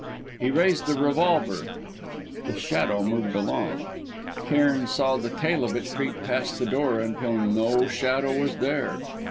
He raised the revolver. The shadow moved along. Cairn saw the tail of it creep past the door, until no shadow was there!